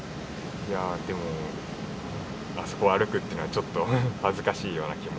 いやでもあそこを歩くっていうのはちょっと恥ずかしいような気も。